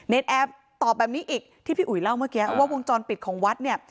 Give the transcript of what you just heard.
แอร์ตอบแบบนี้อีกที่พี่อุ๋ยเล่าเมื่อกี้ว่าวงจรปิดของวัดเนี่ย